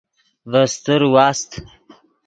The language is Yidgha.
ڤے استر واست۔